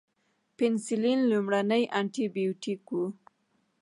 پنسلین لومړنی انټي بیوټیک و